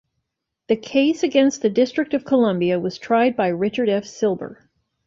The case against the District of Columbia was tried by Richard F. Silber.